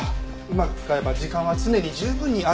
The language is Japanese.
うまく使えば時間は常に十分にある。